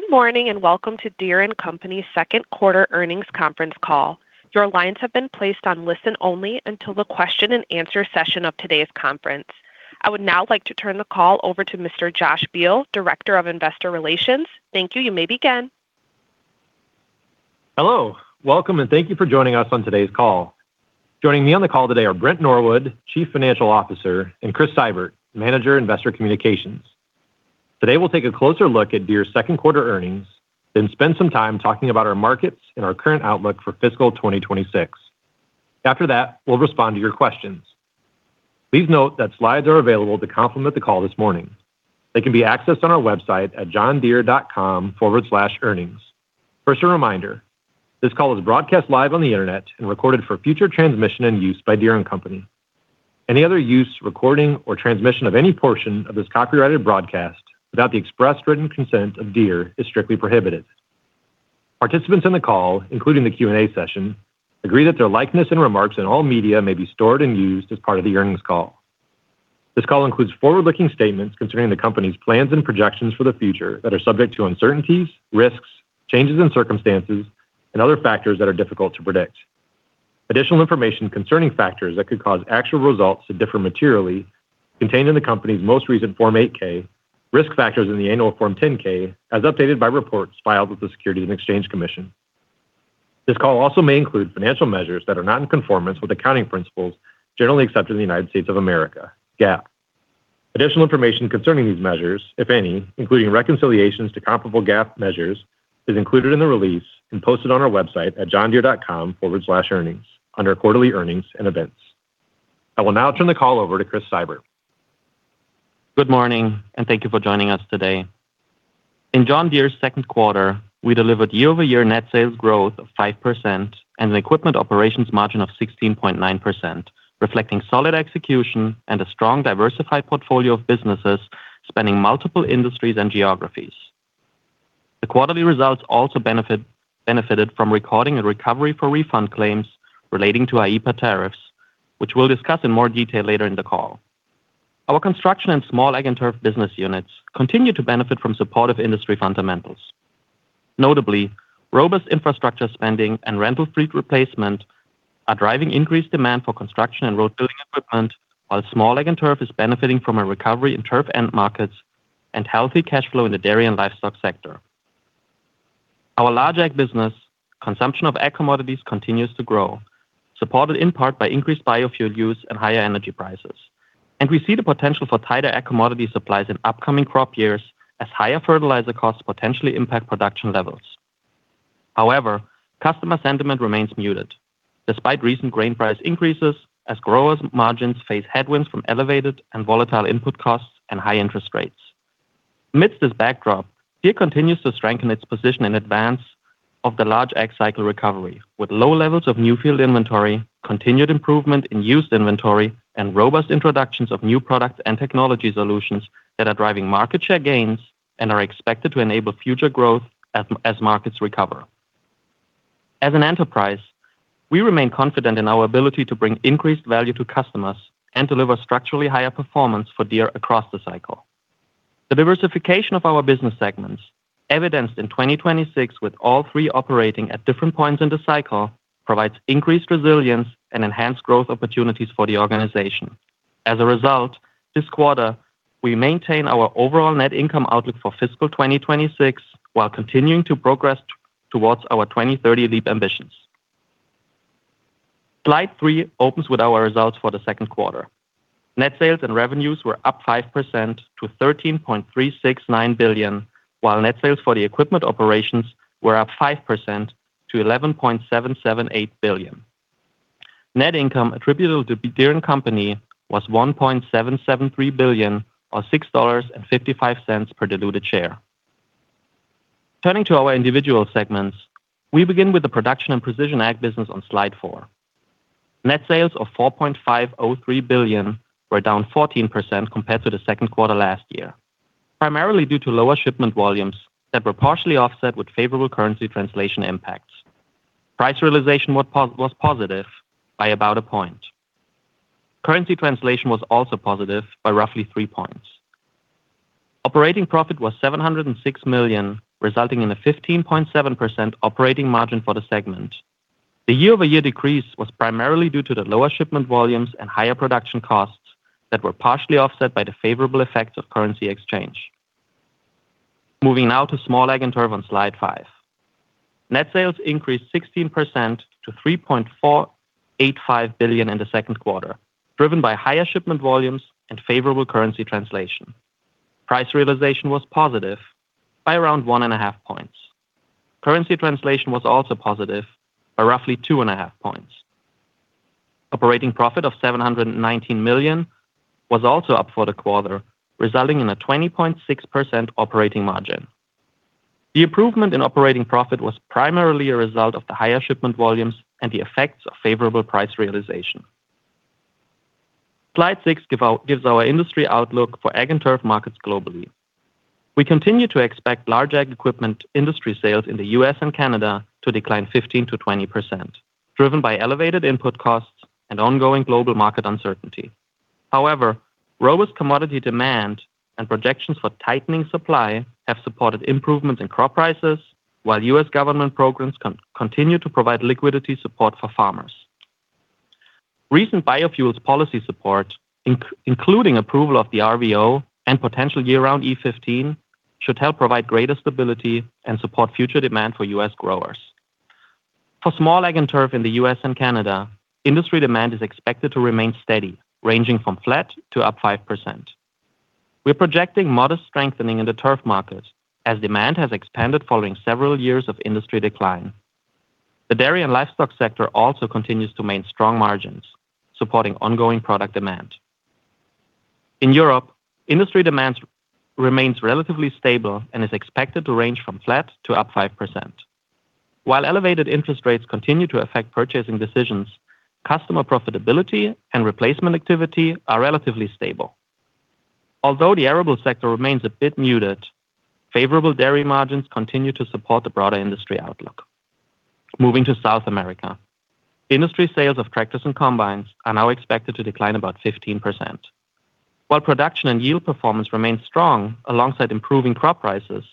Good morning, welcome to Deere & Company's Second Quarter Earnings Conference Call. I would now like to turn the call over to Mr. Josh Beal, Director of Investor Relations. Thank you. You may begin. Hello. Welcome, and thank you for joining us on today's call. Joining me on the call today are Brent Norwood, Chief Financial Officer, and Chris Seibert, Manager Investor Communications. Today, we'll take a closer look at Deere's second quarter earnings, then spend some time talking about our markets and our current outlook for fiscal 2026. After that, we'll respond to your questions. Please note that slides are available to complement the call this morning. They can be accessed on our website at johndeere.com/earnings. First, a reminder, this call is broadcast live on the internet and recorded for future transmission and use by Deere & Company. Any other use, recording, or transmission of any portion of this copyrighted broadcast without the express written consent of Deere is strictly prohibited. Participants in the call, including the Q&A session, agree that their likeness and remarks in all media may be stored and used as part of the earnings call. This call includes forward-looking statements concerning the company's plans and projections for the future that are subject to uncertainties, risks, changes in circumstances, and other factors that are difficult to predict. Additional information concerning factors that could cause actual results to differ materially are contained in the company's most recent Form 8-K, Risk Factors in the annual Form 10-K, as updated by reports filed with the Securities and Exchange Commission. This call also may include financial measures that are not in conformance with accounting principles generally accepted in the United States of America, GAAP. Additional information concerning these measures, if any, including reconciliations to comparable GAAP measures, is included in the release and posted on our website at johndeere.com/earnings under Quarterly Earnings and Events. I will now turn the call over to Chris Seibert. Good morning, and thank you for joining us today. In John Deere's second quarter, we delivered year-over-year net sales growth of 5% and an equipment operations margin of 16.9%, reflecting solid execution and a strong, diversified portfolio of businesses spanning multiple industries and geographies. The quarterly results also benefited from recording a recovery for refund claims relating to IEEPA tariffs, which we'll discuss in more detail later in the call. Our Construction and Small Ag & Turf business units continue to benefit from supportive industry fundamentals. Notably, robust infrastructure spending and rental fleet replacement are driving increased demand for construction and road-building equipment, while Small Ag & Turf is benefiting from a recovery in turf end markets and healthy cash flow in the dairy and livestock sector. Our large ag business consumption of ag commodities continues to grow, supported in part by increased biofuel use and higher energy prices. We see the potential for tighter ag commodity supplies in upcoming crop years as higher fertilizer costs potentially impact production levels. However, customer sentiment remains muted despite recent grain price increases as growers' margins face headwinds from elevated and volatile input costs and high interest rates. Amidst this backdrop, Deere continues to strengthen its position in advance of the large ag cycle recovery with low levels of new field inventory, continued improvement in used inventory, and robust introductions of new products and technology solutions that are driving market share gains and are expected to enable future growth as markets recover. As an enterprise, we remain confident in our ability to bring increased value to customers and deliver structurally higher performance for Deere across the cycle. The diversification of our business segments, evidenced in 2026 with all three operating at different points in the cycle, provides increased resilience and enhanced growth opportunities for the organization. As a result, this quarter, we maintain our overall net income outlook for fiscal 2026 while continuing to progress towards our 2030 Leap Ambitions. Slide three opens with our results for the second quarter. Net sales and revenues were up 5% to $13.369 billion, while net sales for the equipment operations were up 5% to $11.778 billion. Net income attributable to Deere & Company was $1.773 billion, or $6.55 per diluted share. Turning to our individual segments, we begin with the production and precision ag business on slide four. Net sales of $4.503 billion were down 14% compared to the second quarter last year, primarily due to lower shipment volumes that were partially offset with favorable currency translation impacts. Price realization was positive by about a point. Currency translation was also positive by roughly 3 points. Operating profit was $706 million, resulting in a 15.7% operating margin for the segment. The year-over-year decrease was primarily due to the lower shipment volumes and higher production costs that were partially offset by the favorable effects of currency exchange. Moving now to Small Ag & Turf on slide five. Net sales increased 16% to $3.485 billion in the second quarter, driven by higher shipment volumes and favorable currency translation. Price realization was positive by around 1.5 points. Currency translation was also positive by roughly 2.5 points. Operating profit of $719 million was also up for the quarter, resulting in a 20.6% operating margin. The improvement in operating profit was primarily a result of the higher shipment volumes and the effects of favorable price realization. Slide six gives our industry outlook for ag and turf markets globally. We continue to expect large ag equipment industry sales in the U.S. and Canada to decline 15%-20%, driven by elevated input costs and ongoing global market uncertainty. However, robust commodity demand and projections for tightening supply have supported improvements in crop prices while U.S. government programs continue to provide liquidity support for farmers. Recent biofuels policy support, including approval of the RVO and potential year-round E15, should help provide greater stability and support future demand for U.S. growers. For Small Ag & Turf in the U.S. and Canada, industry demand is expected to remain steady, ranging from flat to up 5%. We're projecting modest strengthening in the turf markets as demand has expanded following several years of industry decline. The dairy and livestock sector also continues to maintain strong margins, supporting ongoing product demand. In Europe, industry demand remains relatively stable and is expected to range from flat to up 5%. While elevated interest rates continue to affect purchasing decisions, customer profitability and replacement activity are relatively stable. Although the arable sector remains a bit muted, favorable dairy margins continue to support the broader industry outlook. Moving to South America. Industry sales of tractors and combines are now expected to decline about 15%. While production and yield performance remain strong alongside improving crop prices,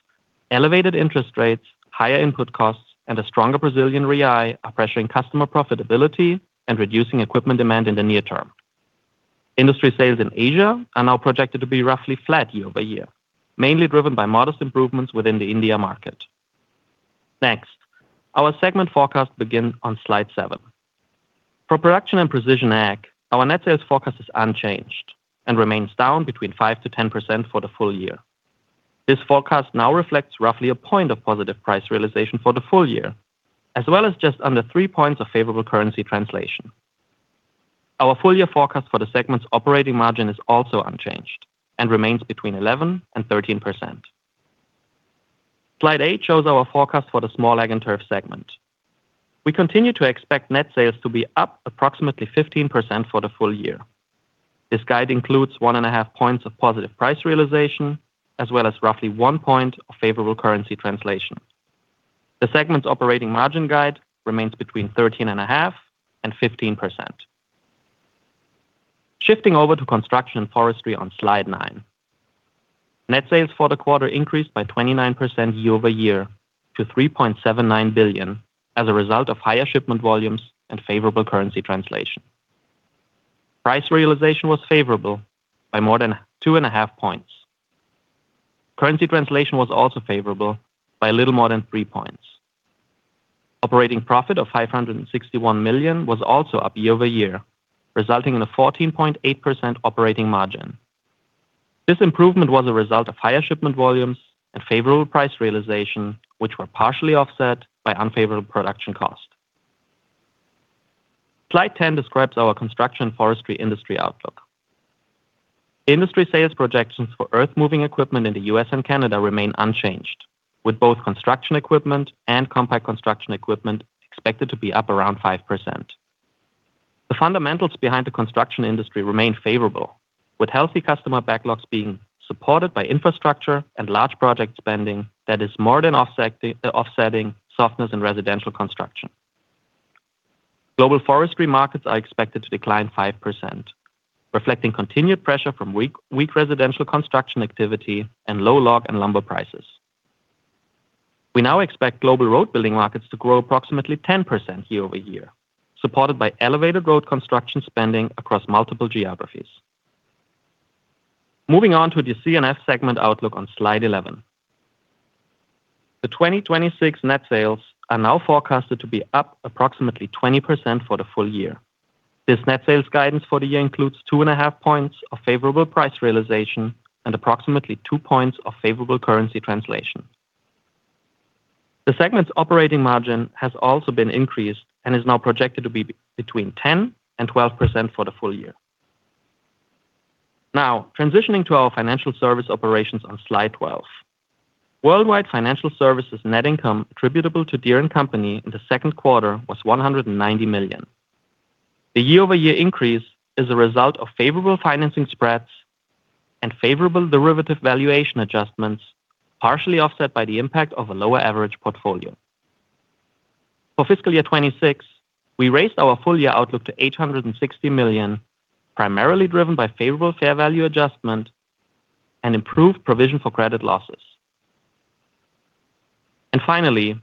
elevated interest rates, higher input costs, and a stronger Brazilian real are pressuring customer profitability and reducing equipment demand in the near term. Industry sales in Asia are now projected to be roughly flat year-over-year, mainly driven by modest improvements within the India market. Next, our segment forecasts begin on slide seven. For Production & Precision Ag, our net sales forecast is unchanged and remains down between 5%-10% for the full year. This forecast now reflects roughly 1 point of positive price realization for the full year, as well as just under 3 points of favorable currency translation. Our full-year forecast for the segment's operating margin is also unchanged and remains between 11% and 13%. Slide eight shows our forecast for the Small Ag & Turf segment. We continue to expect net sales to be up approximately 15% for the full year. This guide includes 1.5 points of positive price realization, as well as roughly 1 point of favorable currency translation. The segment's operating margin guide remains between 13.5% and 15%. Shifting over to Construction & Forestry on slide nine. Net sales for the quarter increased by 29% year-over-year to $3.79 billion as a result of higher shipment volumes and favorable currency translation. Price realization was favorable by more than 2.5 points. Currency translation was also favorable by a little more than 3 points. Operating profit of $561 million was also up year-over-year, resulting in a 14.8% operating margin. This improvement was a result of higher shipment volumes and favorable price realization, which were partially offset by unfavorable production cost. Slide 10 describes our Construction & Forestry industry outlook. Industry sales projections for earth-moving equipment in the U.S. and Canada remain unchanged, with both construction equipment and compact construction equipment expected to be up around 5%. The fundamentals behind the Construction industry remain favorable, with healthy customer backlogs being supported by infrastructure and large project spending that is more than offsetting softness in residential construction. Global Forestry markets are expected to decline 5%, reflecting continued pressure from weak residential construction activity and low log and lumber prices. We now expect global road building markets to grow approximately 10% year-over-year, supported by elevated road construction spending across multiple geographies. Moving on to the C&F segment outlook on slide 11. The 2026 net sales are now forecasted to be up approximately 20% for the full year. This net sales guidance for the year includes two and a half points of favorable price realization and approximately two points of favorable currency translation. The segment's operating margin has also been increased and is now projected to be between 10% and 12% for the full year. Transitioning to our financial service operations on slide 12. Worldwide financial services net income attributable to Deere & Company in the second quarter was $190 million. The year-over-year increase is a result of favorable financing spreads and favorable derivative valuation adjustments, partially offset by the impact of a lower average portfolio. For fiscal year 2026, we raised our full-year outlook to $860 million, primarily driven by favorable fair value adjustment and improved provision for credit losses. And finally,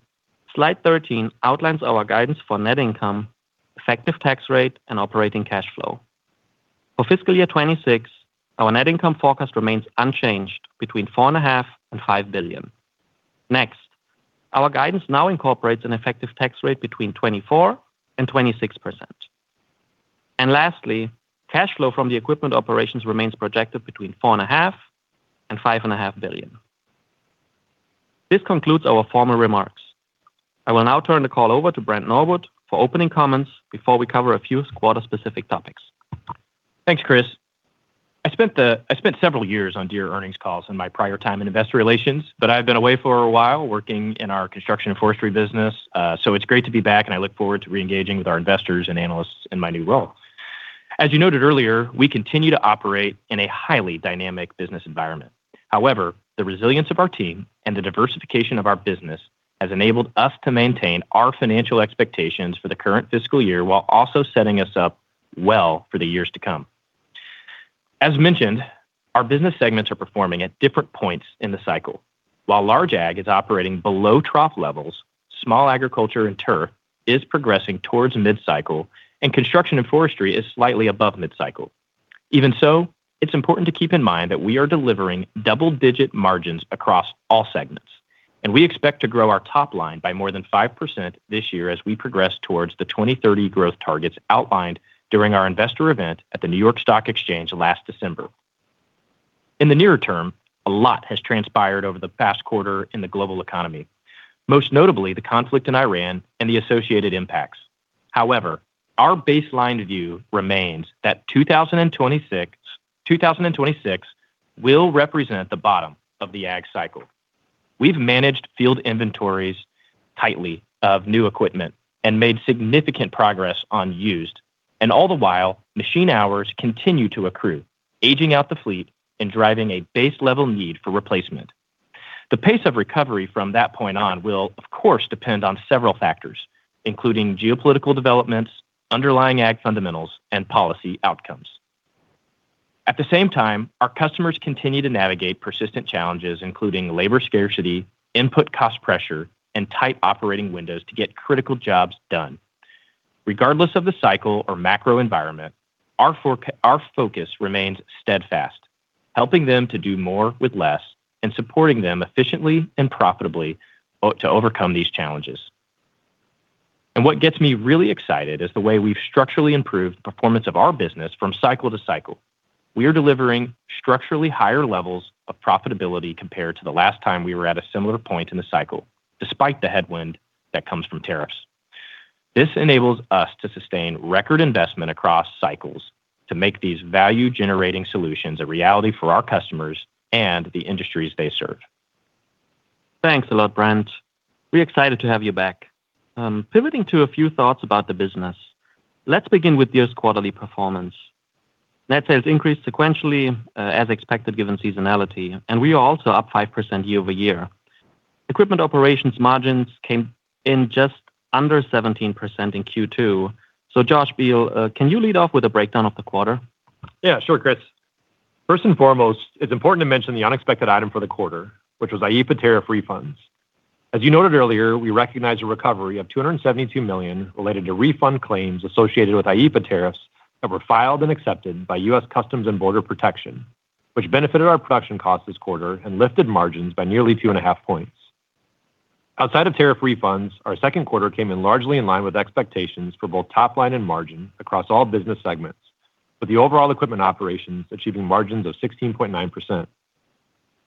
slide 13 outlines our guidance for net income, effective tax rate, and operating cash flow. For fiscal year 2026, our net income forecast remains unchanged between $4.5 billion and $5 billion. Next, our guidance now incorporates an effective tax rate between 24%-26%. And lastly, cash flow from the equipment operations remains projected between $4.5 billion and $5.5 billion. This concludes our formal remarks. I will now turn the call over to Brent Norwood for opening comments before we cover a few quarter-specific topics. Thanks, Chris. I spent several years on Deere earnings calls in my prior time in investor relations, but I've been away for a while working in our Construction & Forestry business. It's great to be back, and I look forward to re-engaging with our investors and analysts in my new role. As you noted earlier, we continue to operate in a highly dynamic business environment. However, the resilience of our team and the diversification of our business has enabled us to maintain our financial expectations for the current fiscal year while also setting us up well for the years to come. As mentioned, our business segments are performing at different points in the cycle. While Large Ag is operating below trough levels, Small Ag & Turf is progressing towards mid-cycle, and Construction & Forestry is slightly above mid-cycle. Even so, it's important to keep in mind that we are delivering double-digit margins across all segments, and we expect to grow our top line by more than 5% this year as we progress towards the 2030 growth targets outlined during our investor event at the New York Stock Exchange last December. In the nearer term, a lot has transpired over the past quarter in the global economy, most notably the conflict in Iran and the associated impacts. However, our baseline view remains that 2026 will represent the bottom of the ag cycle. We've managed field inventories tightly of new equipment and made significant progress on used. All the while, machine hours continue to accrue, aging out the fleet and driving a base-level need for replacement. The pace of recovery from that point on will, of course, depend on several factors, including geopolitical developments, underlying ag fundamentals, and policy outcomes. At the same time, our customers continue to navigate persistent challenges, including labor scarcity, input cost pressure, and tight operating windows to get critical jobs done. Regardless of the cycle or macro environment, our focus remains steadfast, helping them to do more with less and supporting them efficiently and profitably to overcome these challenges. What gets me really excited is the way we've structurally improved the performance of our business from cycle to cycle. We are delivering structurally higher levels of profitability compared to the last time we were at a similar point in the cycle, despite the headwind that comes from tariffs. This enables us to sustain record investment across cycles to make these value-generating solutions a reality for our customers and the industries they serve. Thanks a lot, Brent. We're excited to have you back. Pivoting to a few thoughts about the business. Let's begin with this quarterly performance. Net sales increased sequentially as expected given seasonality, and we are also up 5% year-over-year. Equipment operations margins came in just under 17% in Q2. Josh Beal, can you lead off with a breakdown of the quarter? Sure, Chris. First and foremost, it's important to mention the unexpected item for the quarter, which was IEEPA tariff refunds. As you noted earlier, we recognized a recovery of $272 million related to refund claims associated with IEEPA tariffs that were filed and accepted by U.S. Customs and Border Protection, which benefited our production cost this quarter and lifted margins by nearly 2.5 points. Outside of tariff refunds, our second quarter came in largely in line with expectations for both top line and margin across all business segments, with the overall equipment operations achieving margins of 16.9%.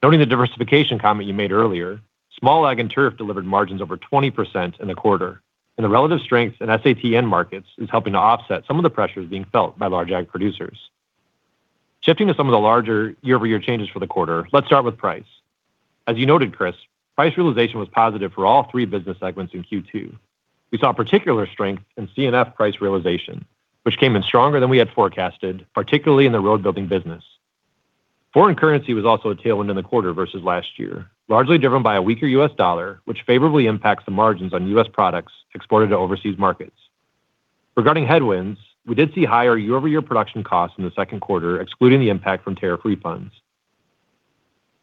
Noting the diversification comment you made earlier, Small Ag & Turf delivered margins over 20% in the quarter, and the relative strength in SAT markets is helping to offset some of the pressures being felt by large ag producers. Shifting to some of the larger year-over-year changes for the quarter, let's start with price. As you noted, Chris, price realization was positive for all three business segments in Q2. We saw particular strength in C&F price realization, which came in stronger than we had forecasted, particularly in the road building business. Foreign currency was also a tailwind in the quarter versus last year, largely driven by a weaker U.S. dollar, which favorably impacts the margins on U.S. products exported to overseas markets. Regarding headwinds, we did see higher year-over-year production costs in the second quarter, excluding the impact from tariff refunds.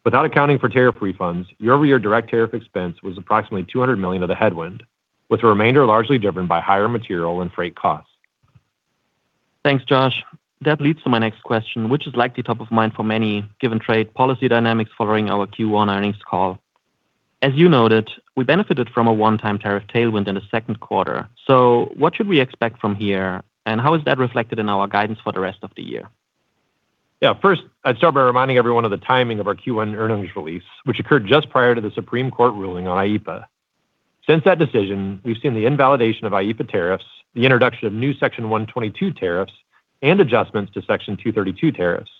Without accounting for tariff refunds, year-over-year direct tariff expense was approximately $200 million of the headwind, with the remainder largely driven by higher material and freight costs. Thanks, Josh. That leads to my next question, which is likely top of mind for many, given trade policy dynamics following our Q1 earnings call. As you noted, we benefited from a one-time tariff tailwind in the second quarter. What should we expect from here, and how is that reflected in our guidance for the rest of the year? First, I'd start by reminding everyone of the timing of our Q1 earnings release, which occurred just prior to the Supreme Court ruling on IEEPA. Since that decision, we've seen the invalidation of IEEPA tariffs, the introduction of new Section 122 tariffs, and adjustments to Section 232 tariffs.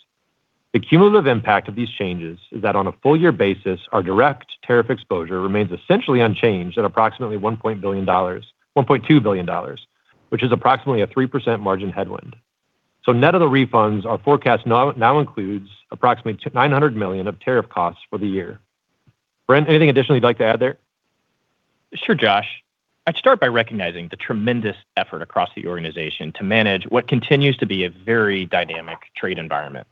The cumulative impact of these changes is that on a full year basis, our direct tariff exposure remains essentially unchanged at approximately $1.2 billion, which is approximately a 3% margin headwind. Net of the refunds, our forecast now includes approximately $900 million of tariff costs for the year. Brent, anything additionally you'd like to add there? Sure, Josh. I'd start by recognizing the tremendous effort across the organization to manage what continues to be a very dynamic trade environment.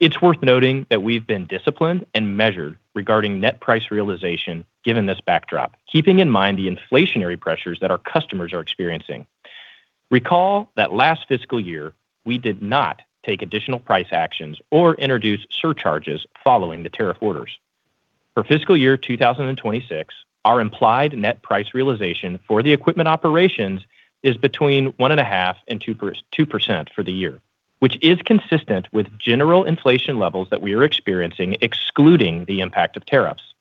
It's worth noting that we've been disciplined and measured regarding net price realization given this backdrop, keeping in mind the inflationary pressures that our customers are experiencing. Recall that last fiscal year, we did not take additional price actions or introduce surcharges following the tariff orders. For fiscal year 2026, our implied net price realization for the equipment operations is between 1.5% and 2% for the year, which is consistent with general inflation levels that we are experiencing, excluding the impact of tariffs.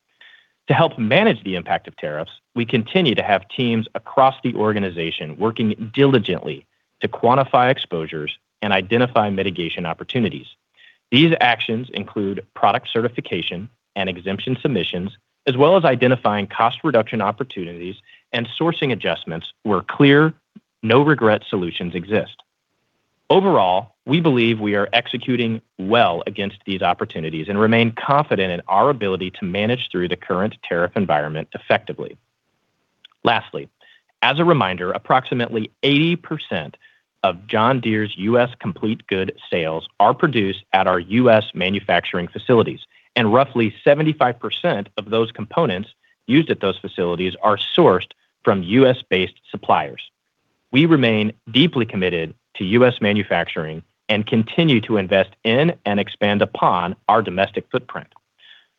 To help manage the impact of tariffs, we continue to have teams across the organization working diligently to quantify exposures and identify mitigation opportunities. These actions include product certification and exemption submissions, as well as identifying cost reduction opportunities and sourcing adjustments where clear no-regret solutions exist. Overall, we believe we are executing well against these opportunities and remain confident in our ability to manage through the current tariff environment effectively. Lastly, as a reminder, approximately 80% of John Deere's U.S. complete good sales are produced at our U.S. manufacturing facilities, and roughly 75% of those components used at those facilities are sourced from U.S.-based suppliers. We remain deeply committed to U.S. manufacturing and continue to invest in and expand upon our domestic footprint.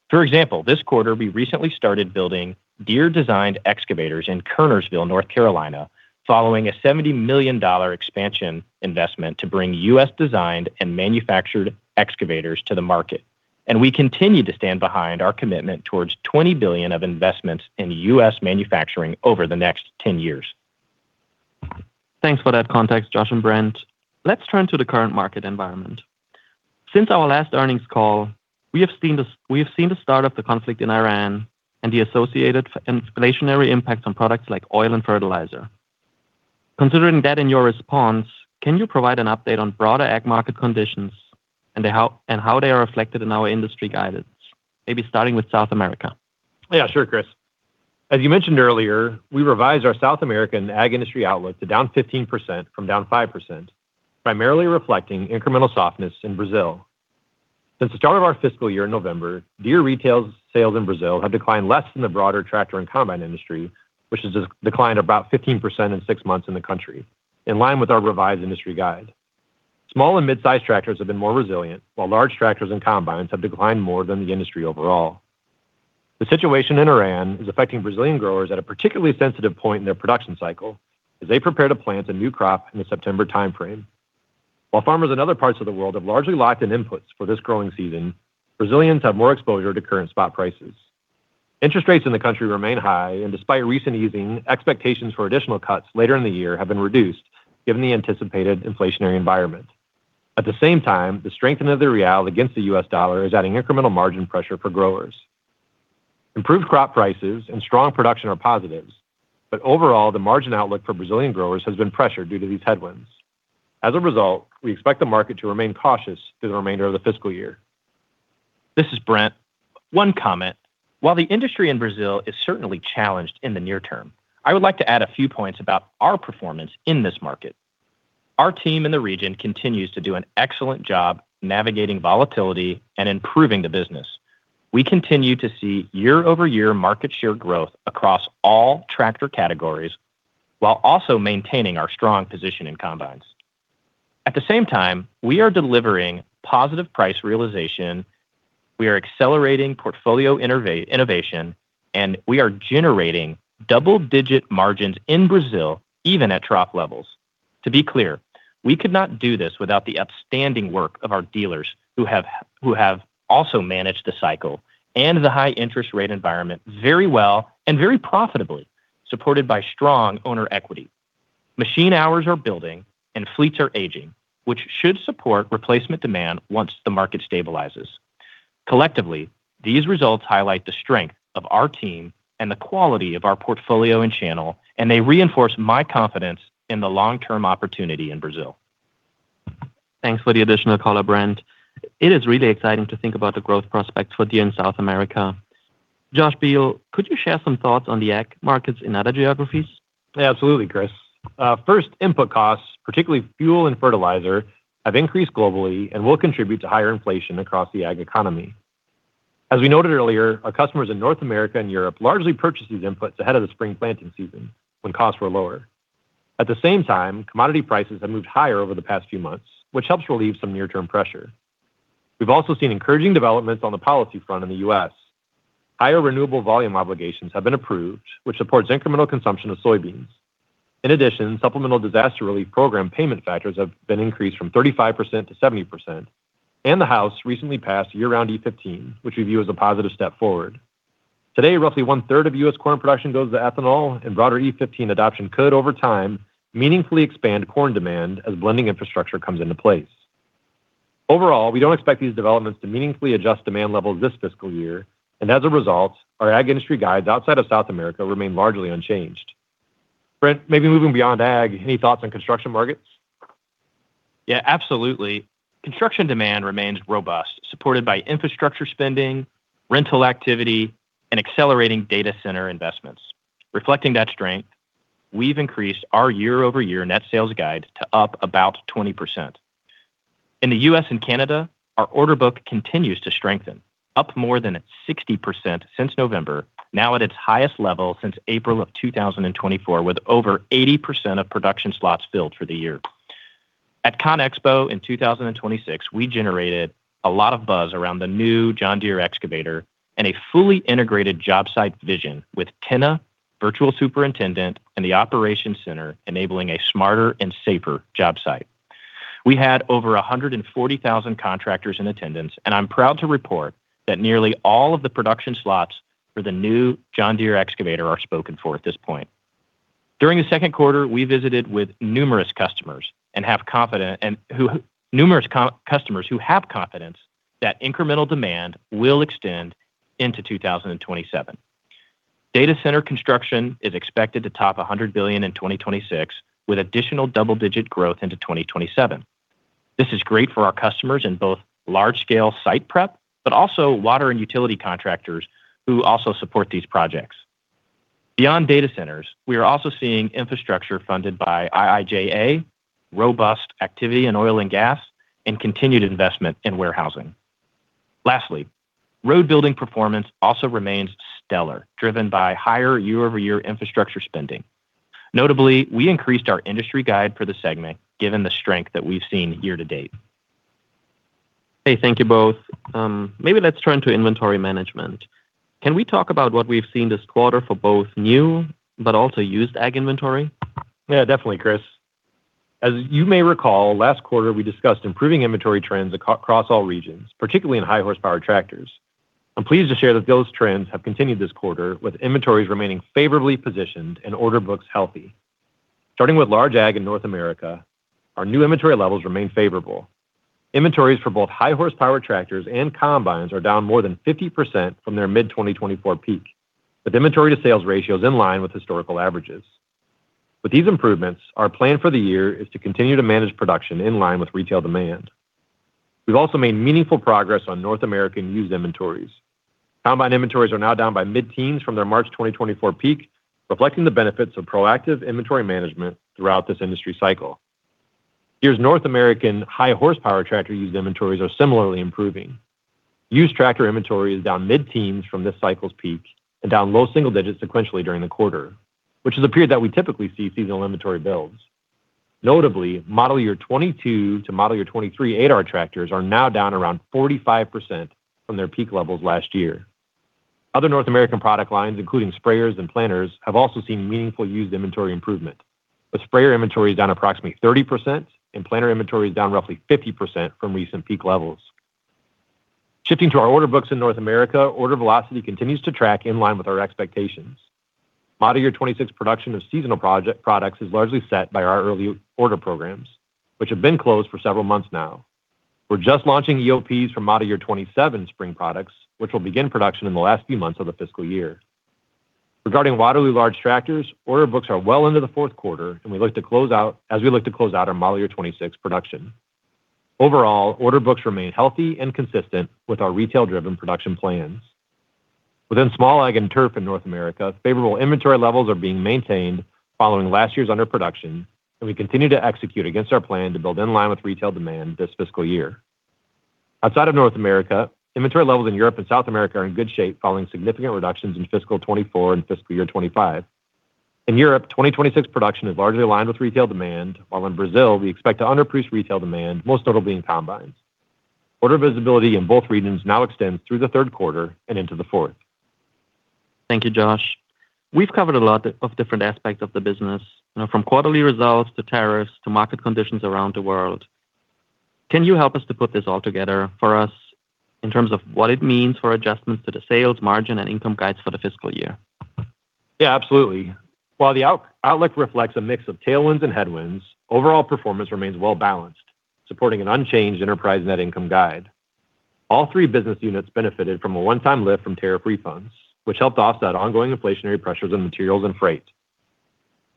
For example, this quarter, we recently started building Deere-designed excavators in Kernersville, North Carolina, following a $70 million expansion investment to bring U.S.-designed and manufactured excavators to the market. We continue to stand behind our commitment towards $20 billion of investments in U.S. manufacturing over the next 10 years. Thanks for that context, Josh and Brent. Let's turn to the current market environment. Since our last earnings call, we have seen the start of the conflict in Iran and the associated inflationary impact on products like oil and fertilizer. Considering that in your response, can you provide an update on broader ag market conditions and how they are reflected in our industry guidance, maybe starting with South America? Yeah, sure, Chris. As you mentioned earlier, we revised our South American ag industry outlook to down 15% from down 5%, primarily reflecting incremental softness in Brazil. Since the start of our fiscal year in November, Deere retail sales in Brazil have declined less than the broader tractor and combine industry, which has declined about 15% in six months in the country, in line with our revised industry guide. Small and mid-size tractors have been more resilient, while large tractors and combines have declined more than the industry overall. The situation in Iran is affecting Brazilian growers at a particularly sensitive point in their production cycle as they prepare to plant a new crop in the September timeframe. While farmers in other parts of the world have largely locked in inputs for this growing season, Brazilians have more exposure to current spot prices. Interest rates in the country remain high, and despite recent easing, expectations for additional cuts later in the year have been reduced given the anticipated inflationary environment. At the same time, the strengthening of the real against the U.S. dollar is adding incremental margin pressure for growers. Improved crop prices and strong production are positives, but overall, the margin outlook for Brazilian growers has been pressured due to these headwinds. As a result, we expect the market to remain cautious through the remainder of the fiscal year. This is Brent. One comment. While the industry in Brazil is certainly challenged in the near term, I would like to add a few points about our performance in this market. Our team in the region continues to do an excellent job navigating volatility and improving the business. We continue to see year-over-year market share growth across all tractor categories while also maintaining our strong position in combines. At the same time, we are delivering positive price realization, we are accelerating portfolio innovation, and we are generating double-digit margins in Brazil, even at trough levels. To be clear, we could not do this without the upstanding work of our dealers, who have also managed the cycle and the high interest rate environment very well and very profitably, supported by strong owner equity. Machine hours are building, and fleets are aging, which should support replacement demand once the market stabilizes. Collectively, these results highlight the strength of our team and the quality of our portfolio and channel, and they reinforce my confidence in the long-term opportunity in Brazil. Thanks for the additional color, Brent. It is really exciting to think about the growth prospects for Deere in South America. Josh Beal, could you share some thoughts on the ag markets in other geographies? Yeah, absolutely, Chris. First, input costs, particularly fuel and fertilizer, have increased globally and will contribute to higher inflation across the ag economy. As we noted earlier, our customers in North America and Europe largely purchased these inputs ahead of the spring planting season when costs were lower. At the same time, commodity prices have moved higher over the past few months, which helps relieve some near-term pressure. We've also seen encouraging developments on the policy front in the U.S. Higher renewable volume obligations have been approved, which supports incremental consumption of soybeans. In addition, supplemental disaster relief program payment factors have been increased from 35% to 70%, and the House recently passed year-round E15, which we view as a positive step forward. Today, roughly one-third of U.S. corn production goes to ethanol, and broader E15 adoption could, over time, meaningfully expand corn demand as blending infrastructure comes into place. Overall, we don't expect these developments to meaningfully adjust demand levels this fiscal year, and as a result, our ag industry guides outside of South America remain largely unchanged. Brent, maybe moving beyond ag, any thoughts on construction markets? Yeah, absolutely. Construction demand remains robust, supported by infrastructure spending, rental activity, and accelerating data center investments. Reflecting that strength, we've increased our year-over-year net sales guide to up about 20%. In the U.S. and Canada, our order book continues to strengthen, up more than 60% since November, now at its highest level since April of 2024, with over 80% of production slots filled for the year. At CONEXPO in 2026, we generated a lot of buzz around the new John Deere excavator and a fully integrated job site vision with Tenna, Virtual Superintendent, and the Operations Center, enabling a smarter and safer job site. We had over 140,000 contractors in attendance, and I'm proud to report that nearly all of the production slots for the new John Deere excavator are spoken for at this point. During the second quarter, we visited with numerous customers who have confidence that incremental demand will extend into 2027. Data center construction is expected to top $100 billion in 2026, with additional double-digit growth into 2027. This is great for our customers in both large-scale site prep, but also water and utility contractors who also support these projects. Beyond data centers, we are also seeing infrastructure funded by IIJA, robust activity in oil and gas, and continued investment in warehousing. Lastly, road building performance also remains stellar, driven by higher year-over-year infrastructure spending. Notably, we increased our industry guide for the segment given the strength that we've seen year to date. Hey, thank you both. Maybe let's turn to inventory management. Can we talk about what we've seen this quarter for both new but also used ag inventory? Yeah, definitely, Chris. As you may recall, last quarter we discussed improving inventory trends across all regions, particularly in high horsepower tractors. I'm pleased to share that those trends have continued this quarter, with inventories remaining favorably positioned and order books healthy. Starting with large ag in North America, our new inventory levels remain favorable. Inventories for both high horsepower tractors and combines are down more than 50% from their mid-2024 peak, with inventory to sales ratios in line with historical averages. With these improvements, our plan for the year is to continue to manage production in line with retail demand. We've also made meaningful progress on North American used inventories. Combine inventories are now down by mid-teens from their March 2024 peak, reflecting the benefits of proactive inventory management throughout this industry cycle. Years North American high horsepower tractor used inventories are similarly improving. Used tractor inventory is down mid-teens from this cycle's peak and down low single digits sequentially during the quarter, which is a period that we typically see seasonal inventory builds. Notably, model year 2022 to model year 2023 8R tractors are now down around 45% from their peak levels last year. Other North American product lines, including sprayers and planters, have also seen meaningful used inventory improvement, with sprayer inventory down approximately 30% and planter inventory is down roughly 50% from recent peak levels. Shifting to our order books in North America, order velocity continues to track in line with our expectations. Model year 2026 production of seasonal products is largely set by our early order programs, which have been closed for several months now. We're just launching EOPs for model year 2027 spring products, which will begin production in the last few months of the fiscal year. Regarding Waterloo large tractors, order books are well into the fourth quarter as we look to close out our model year 2026 production. Overall, order books remain healthy and consistent with our retail-driven production plans. Within Small Ag & Turf in North America, favorable inventory levels are being maintained following last year's underproduction, and we continue to execute against our plan to build in line with retail demand this fiscal year. Outside of North America, inventory levels in Europe and South America are in good shape following significant reductions in FY 2024 and FY 2025. In Europe, 2026 production is largely aligned with retail demand, while in Brazil we expect to underproduce retail demand, most notably in combines. Order visibility in both regions now extends through the third quarter and into the fourth. Thank you, Josh. We've covered a lot of different aspects of the business, from quarterly results to tariffs to market conditions around the world. Can you help us to put this all together for us in terms of what it means for adjustments to the sales margin and income guides for the fiscal year? Yeah, absolutely. While the outlook reflects a mix of tailwinds and headwinds, overall performance remains well-balanced, supporting an unchanged enterprise net income guide. All three business units benefited from a one-time lift from tariff refunds, which helped offset ongoing inflationary pressures on materials and freight.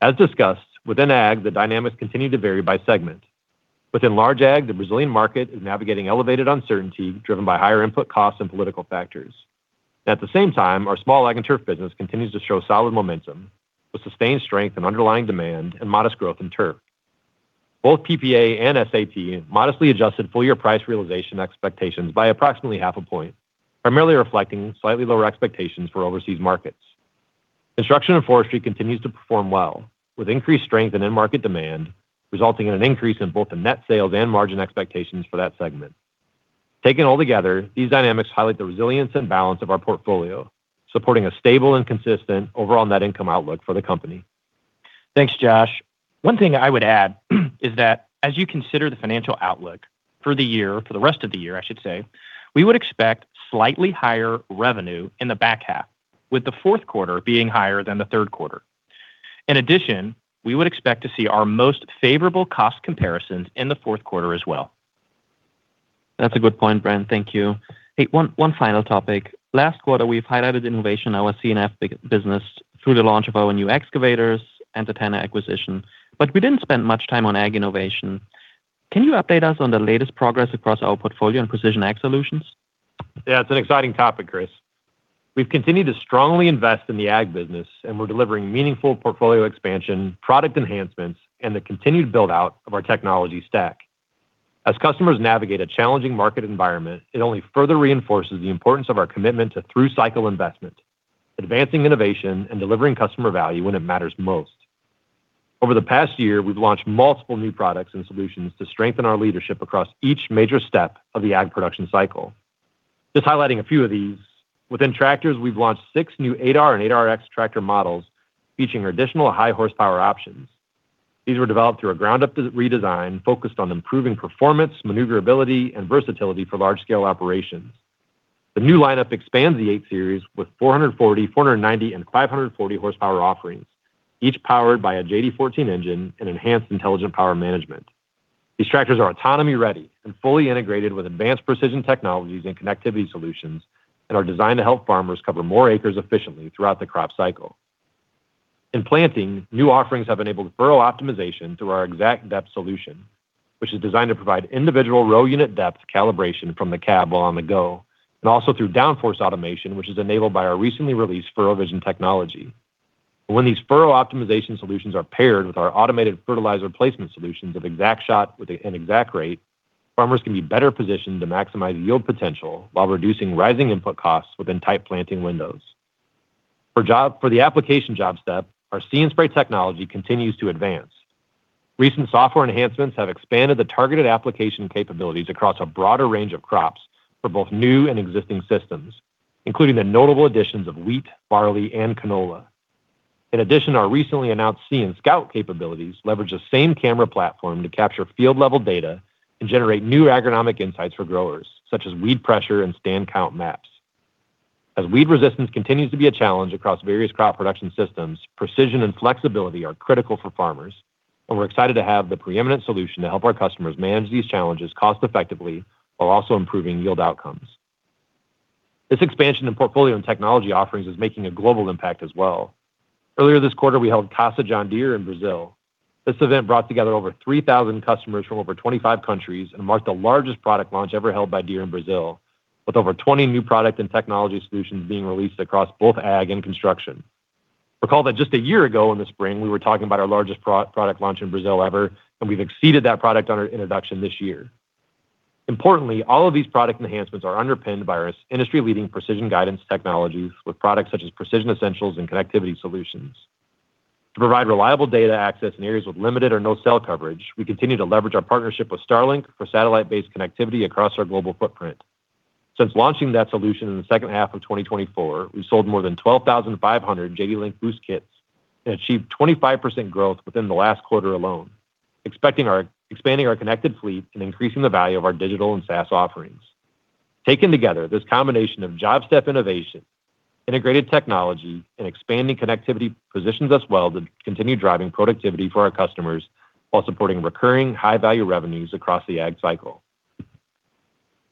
As discussed, within ag, the dynamics continue to vary by segment. Within large ag, the Brazilian market is navigating elevated uncertainty driven by higher input costs and political factors. At the same time, our Small Ag and Turf business continues to show solid momentum with sustained strength in underlying demand and modest growth in turf. Both PPA and SAT modestly adjusted full-year price realization expectations by approximately half a point, primarily reflecting slightly lower expectations for overseas markets. Construction & Forestry continues to perform well, with increased strength in end market demand, resulting in an increase in both the net sales and margin expectations for that segment. Taken all together, these dynamics highlight the resilience and balance of our portfolio, supporting a stable and consistent overall net income outlook for the company. Thanks, Josh. One thing I would add is that as you consider the financial outlook for the rest of the year, we would expect slightly higher revenue in the back half, with the fourth quarter being higher than the third quarter. In addition, we would expect to see our most favorable cost comparisons in the fourth quarter as well. That's a good point, Brent. Thank you. Hey, one final topic. Last quarter, we've highlighted innovation in our C&F business through the launch of our new excavators and the Tenna acquisition. We didn't spend much time on ag innovation. Can you update us on the latest progress across our portfolio and precision ag solutions? Yeah, it's an exciting topic, Chris. We've continued to strongly invest in the ag business, and we're delivering meaningful portfolio expansion, product enhancements, and the continued build-out of our technology stack. As customers navigate a challenging market environment, it only further reinforces the importance of our commitment to through-cycle investment, advancing innovation, and delivering customer value when it matters most. Over the past year, we've launched multiple new products and solutions to strengthen our leadership across each major step of the ag production cycle. Just highlighting a few of these, within tractors, we've launched six new 8R and 8RX tractor models featuring additional high horsepower options. These were developed through a ground-up redesign focused on improving performance, maneuverability, and versatility for large-scale operations. The new lineup expands the 8 Series with 440, 490, and 540 horsepower offerings, each powered by a JD14 engine and enhanced intelligent power management. These tractors are autonomy-ready and fully integrated with advanced precision technologies and connectivity solutions, and are designed to help farmers cover more acres efficiently throughout the crop cycle. In planting, new offerings have enabled furrow optimization through our ExactDepth solution, which is designed to provide individual row unit depth calibration from the cab while on the go, and also through downforce automation, which is enabled by our recently released FurrowVision technology. When these furrow optimization solutions are paired with our automated fertilizer placement solutions of ExactShot with an ExactRate, farmers can be better positioned to maximize yield potential while reducing rising input costs within tight planting windows. For the application job step, our See & Spray technology continues to advance. Recent software enhancements have expanded the targeted application capabilities across a broader range of crops for both new and existing systems, including the notable additions of wheat, barley, and canola. In addition, our recently announced See & Scout capabilities leverage the same camera platform to capture field-level data and generate new agronomic insights for growers, such as weed pressure and stand count maps. As weed resistance continues to be a challenge across various crop production systems, precision and flexibility are critical for farmers, and we're excited to have the preeminent solution to help our customers manage these challenges cost-effectively while also improving yield outcomes. This expansion in portfolio and technology offerings is making a global impact as well. Earlier this quarter, we held Casa John Deere in Brazil. This event brought together over 3,000 customers from over 25 countries and marked the largest product launch ever held by Deere in Brazil, with over 20 new product and technology solutions being released across both ag and construction. Recall that just a year ago in the spring, we were talking about our largest product launch in Brazil ever, and we've exceeded that product introduction this year. Importantly, all of these product enhancements are underpinned by our industry-leading precision guidance technologies with products such as Precision Essentials and connectivity solutions. To provide reliable data access in areas with limited or no cell coverage, we continue to leverage our partnership with Starlink for satellite-based connectivity across our global footprint. Since launching that solution in the second half of 2024, we've sold more than 12,500 JDLink Boost kits and achieved 25% growth within the last quarter alone, expanding our connected fleet and increasing the value of our digital and SaaS offerings. Taken together, this combination of job step innovation, integrated technology, and expanding connectivity positions us well to continue driving productivity for our customers while supporting recurring high-value revenues across the ag cycle.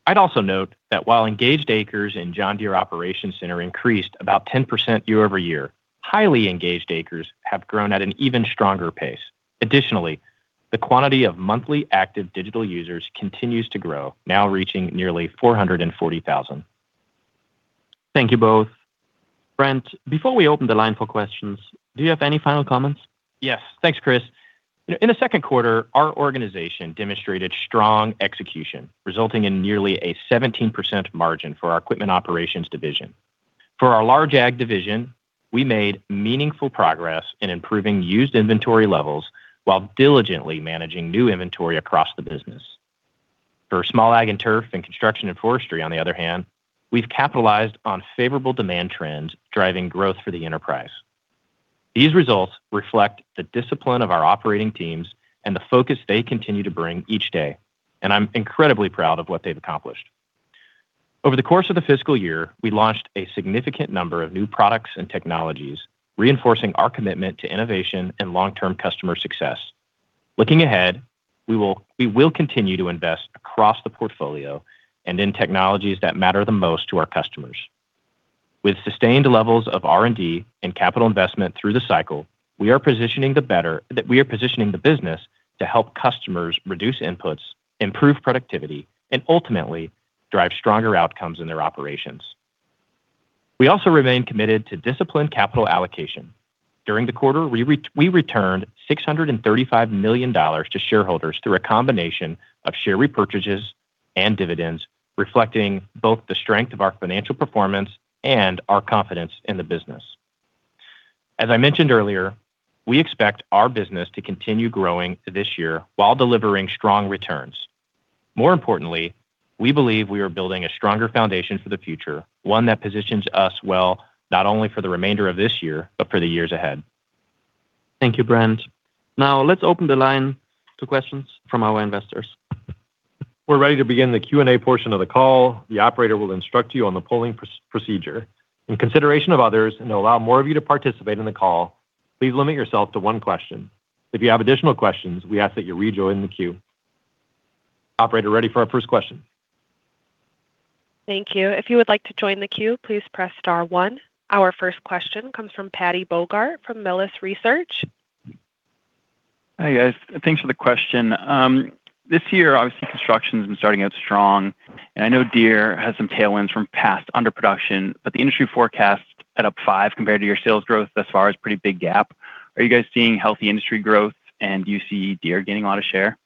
I'd also note that while engaged acres in John Deere Operations Center increased about 10% year-over-year, highly engaged acres have grown at an even stronger pace. The quantity of monthly active digital users continues to grow, now reaching nearly 440,000. Thank you both. Brent, before we open the line for questions, do you have any final comments? Yes. Thanks, Chris. In the second quarter, our organization demonstrated strong execution, resulting in nearly a 17% margin for our Equipment Operations division. For our large ag division, we made meaningful progress in improving used inventory levels while diligently managing new inventory across the business. For Small Ag & Turf and Construction & Forestry, on the other hand, we've capitalized on favorable demand trends driving growth for the enterprise. These results reflect the discipline of our operating teams and the focus they continue to bring each day, and I'm incredibly proud of what they've accomplished. Over the course of the fiscal year, we launched a significant number of new products and technologies, reinforcing our commitment to innovation and long-term customer success. Looking ahead, we will continue to invest across the portfolio and in technologies that matter the most to our customers. With sustained levels of R&D and capital investment through the cycle, we are positioning the business to help customers reduce inputs, improve productivity, and ultimately drive stronger outcomes in their operations. We also remain committed to disciplined capital allocation. During the quarter, we returned $635 million to shareholders through a combination of share repurchases and dividends, reflecting both the strength of our financial performance and our confidence in the business. As I mentioned earlier, we expect our business to continue growing this year while delivering strong returns. More importantly, we believe we are building a stronger foundation for the future, one that positions us well not only for the remainder of this year, but for the years ahead. Thank you, Brent. Let's open the line to questions from our investors. We're ready to begin the Q&A portion of the call. The operator will instruct you on the polling procedure. In consideration of others and to allow more of you to participate in the call, please limit yourself to one question. If you have additional questions, we ask that you rejoin the queue. Operator, ready for our first question. Thank you. If you would like to join the queue, please press star one. Our first question comes from Paddy Bogart from Melius Research. Hi, guys. Thanks for the question. This year, obviously, construction's been starting out strong, and I know Deere has some tailwinds from past underproduction, but the industry forecast at up 5% compared to your sales growth thus far is a pretty big gap. Are you guys seeing healthy industry growth, and do you see Deere gaining a lot of share?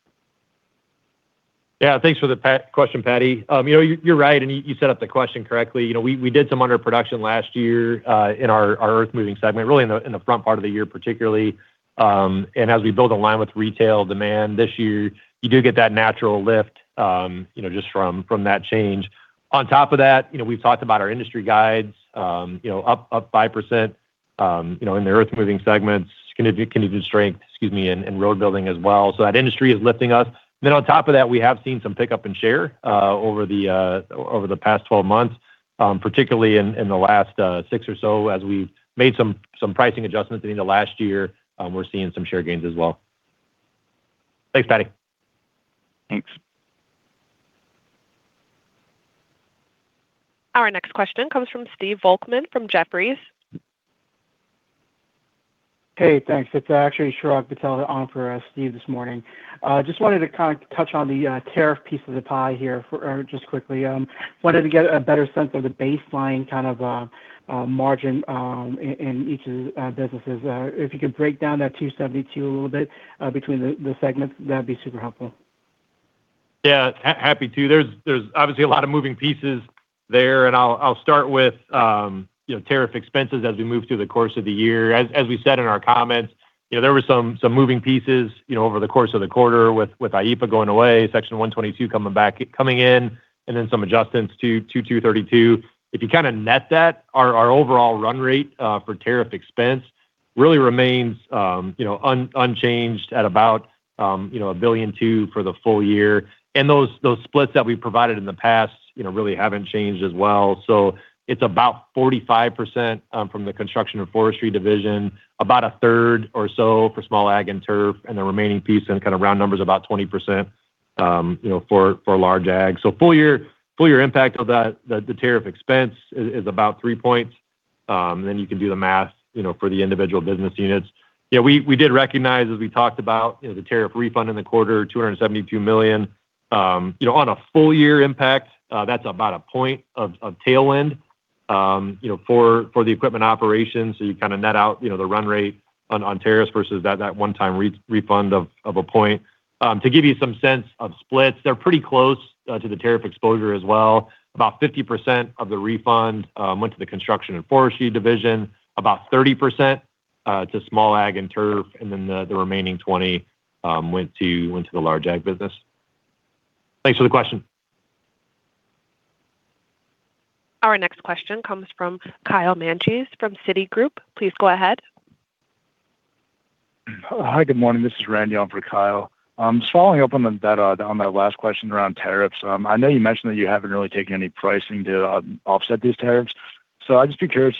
Yeah. Thanks for the question, Paddy. You're right, and you set up the question correctly. We did some underproduction last year in our earthmoving segment, really in the front part of the year, particularly. As we build alignment with retail demand this year, you do get that natural lift just from that change. On top of that, we've talked about our industry guides up 5% in the earthmoving segments, continued strength in road building as well. That industry is lifting us. On top of that, we have seen some pickup in share over the past 12 months. Particularly in the last six or so, as we've made some pricing adjustments at the end of last year, we're seeing some share gains as well. Thanks, Paddy. Thanks. Our next question comes from Steve Volkmann Fisher from Jefferies. Hey, thanks. It's actually Chirag Patel on for Steve this morning. Just wanted to touch on the tariff piece of the pie here just quickly. Wanted to get a better sense of the baseline margin in each of the businesses. If you could break down that 272 a little bit between the segments, that'd be super helpful. Happy to. There's obviously a lot of moving pieces there, I'll start with tariff expenses as we move through the course of the year. As we said in our comments, there were some moving pieces over the course of the quarter with IEEPA going away, Section 122 coming in, and then some adjustments to Section 232. If you net that, our overall run rate for tariff expense really remains unchanged at about $1.2 billion for the full year. Those splits that we provided in the past really haven't changed as well. It's about 45% from the Construction & Forestry division, about a third or so for Small Ag & Turf, and the remaining piece in round numbers, about 20% for large ag. Full year impact of the tariff expense is about 3 points. You can do the math for the individual business units. We did recognize, as we talked about, the tariff refund in the quarter, $272 million. On a full year impact, that's about a point of tailwind for the equipment operations. You net out the run rate on tariffs versus that one-time refund of a point. To give you some sense of splits, they're pretty close to the tariff exposure as well. About 50% of the refund went to the Construction & Forestry division, about 30% to Small Ag & Turf, the remaining 20% went to the large ag business. Thanks for the question. Our next question comes from Kyle Menges from Citigroup. Please go ahead. Hi, good morning. This is Randy on for Kyle. Just following up on that last question around tariffs. I know you mentioned that you haven't really taken any pricing to offset these tariffs. I'd just be curious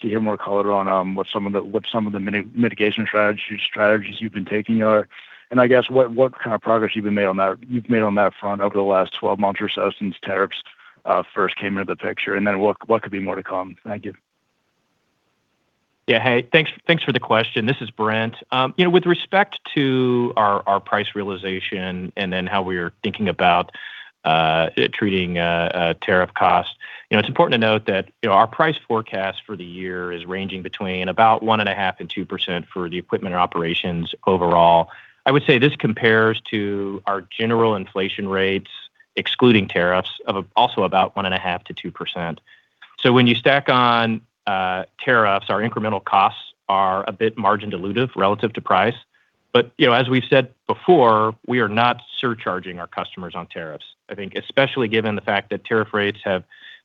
to hear more color on what some of the mitigation strategies you've been taking are. I guess what kind of progress you've made on that front over the last 12 months or so since tariffs first came into the picture, and then what could be more to come? Thank you. Hey, thanks for the question. This is Brent. With respect to our price realization and then how we're thinking about treating tariff costs. It's important to note that our price forecast for the year is ranging between about 1.5% and 2% for the equipment and operations overall. I would say this compares to our general inflation rates, excluding tariffs, of also about 1.5%-2%. When you stack on tariffs, our incremental costs are a bit margin dilutive relative to price. As we've said before, we are not surcharging our customers on tariffs. I think especially given the fact that tariff rates have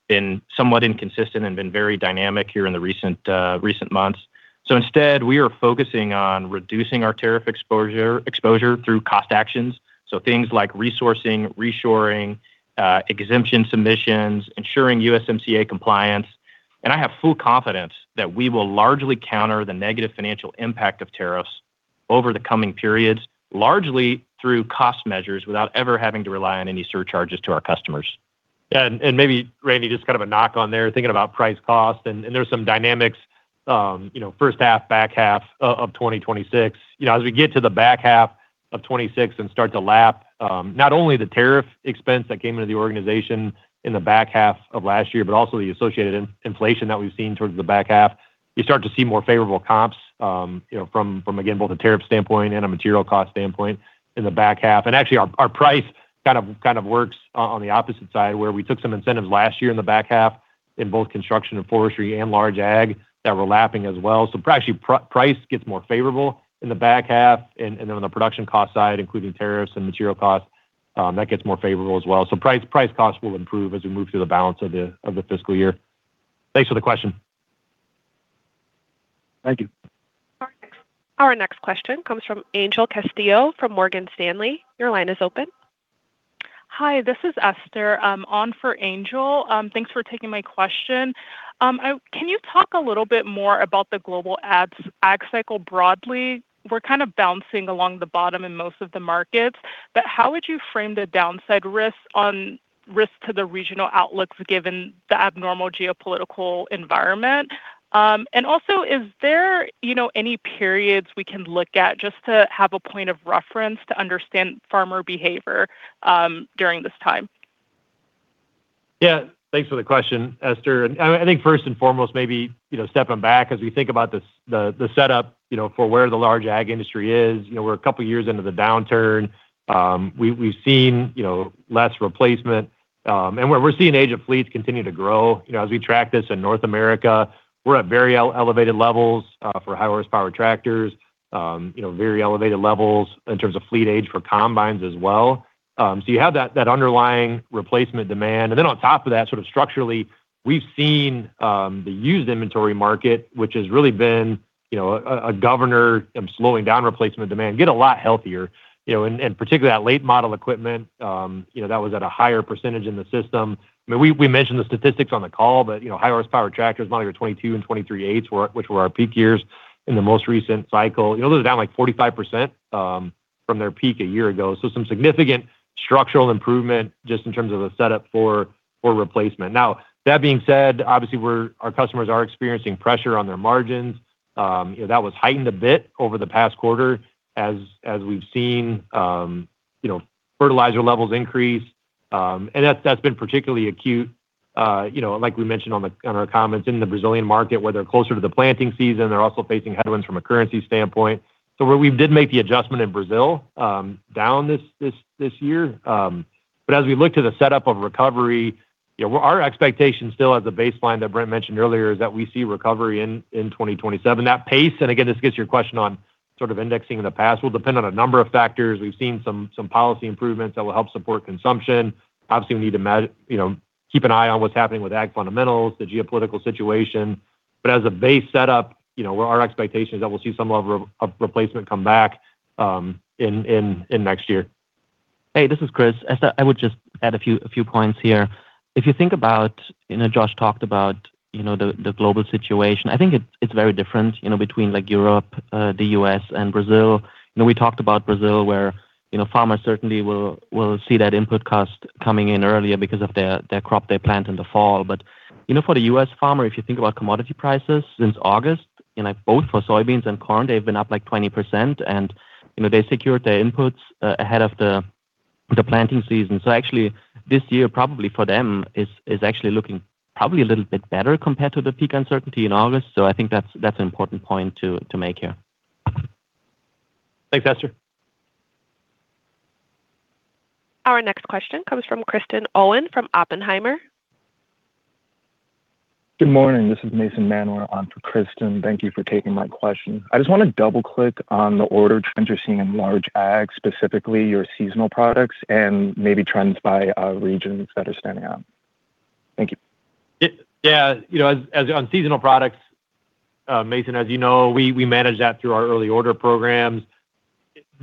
been somewhat inconsistent and been very dynamic here in the recent months. Instead, we are focusing on reducing our tariff exposure through cost actions. Things like resourcing, reshoring, exemption submissions, ensuring USMCA compliance. I have full confidence that we will largely counter the negative financial impact of tariffs over the coming periods, largely through cost measures without ever having to rely on any surcharges to our customers. Yeah. Maybe Randy, just kind of a knock on there, thinking about price cost and there's some dynamics, first half, back half of 2026. As we get to the back half of 2026 and start to lap not only the tariff expense that came into the organization in the back half of last year, but also the associated inflation that we've seen towards the back half. You start to see more favorable comps from, again, both a tariff standpoint and a material cost standpoint in the back half. Actually, our price kind of works on the opposite side, where we took some incentives last year in the back half in both Construction & Forestry and large ag that we're lapping as well. Actually, price gets more favorable in the back half. Then on the production cost side, including tariffs and material costs, that gets more favorable as well. Price cost will improve as we move through the balance of the fiscal year. Thanks for the question. Thank you. Our next question comes from Angel Castillo from Morgan Stanley. Your line is open. Hi, this is Esther. I'm on for Angel. Thanks for taking my question. Can you talk a little bit more about the global ag cycle broadly? We're kind of bouncing along the bottom in most of the markets, but how would you frame the downside risk on risk to the regional outlooks given the abnormal geopolitical environment? Also, is there any periods we can look at just to have a point of reference to understand farmer behavior during this time? Yeah. Thanks for the question, Esther. I think first and foremost, maybe stepping back as we think about the setup for where the large ag industry is. We're a couple of years into the downturn. We've seen less replacement. We're seeing age of fleets continue to grow. As we track this in North America, we're at very elevated levels for high horsepower tractors. Very elevated levels in terms of fleet age for combines as well. You have that underlying replacement demand. On top of that, structurally, we've seen the used inventory market, which has really been a governor slowing down replacement demand, get a lot healthier. Particularly that late model equipment that was at a higher percentage in the system. We mentioned the statistics on the call, high horsepower tractors, model year 2022 and 2023s, which were our peak years in the most recent cycle. Those are down like 45% from their peak a year ago. Some significant structural improvement just in terms of the setup for replacement. Now, that being said, obviously our customers are experiencing pressure on their margins. That was heightened a bit over the past quarter as we've seen fertilizer levels increase. That's been particularly acute. Like we mentioned on our comments in the Brazilian market, where they're closer to the planting season, they're also facing headwinds from a currency standpoint. We did make the adjustment in Brazil down this year. As we look to the setup of recovery, our expectation still as a baseline that Brent mentioned earlier is that we see recovery in 2027. That pace, again, this gets your question on indexing in the past, will depend on a number of factors. We've seen some policy improvements that will help support consumption. Obviously, we need to keep an eye on what's happening with ag fundamentals, the geopolitical situation. As a base setup, our expectation is that we'll see some level of replacement come back in next year. Hey, this is Chris. Esther, I would just add a few points here. If you think about, Josh talked about the global situation. I think it's very different between Europe, the U.S., and Brazil. We talked about Brazil, where farmers certainly will see that input cost coming in earlier because of their crop they plant in the fall. For the U.S. farmer, if you think about commodity prices since August, both for soybeans and corn, they've been up like 20%, and they secured their inputs ahead of the planting season. Actually, this year probably for them is actually looking probably a little bit better compared to the peak uncertainty in August. I think that's an important point to make here. Thanks, Esther. Our next question comes from Kristen Owen from Oppenheimer. Good morning. This is Mason Manware on for Kristen. Thank you for taking my question. I just want to double-click on the order trends you're seeing in large ag, specifically your seasonal products and maybe trends by regions that are standing out. Thank you. Yeah. On seasonal products, Mason, as you know, we manage that through our Early Order Programs.